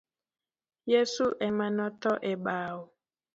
Yeso emanotho e bao.